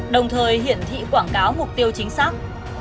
đồng thời hiển thị quảng cáo mục tiêu chính xác